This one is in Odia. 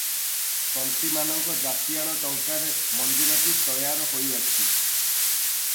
ତନ୍ତୀମାନଙ୍କ ଜାତିଆଣ ଟଙ୍କାରେ ମନ୍ଦିରଟି ତୟାର ହୋଇଅଛି ।